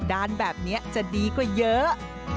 ด้านแบบนี้จะดีกว่าเยอะ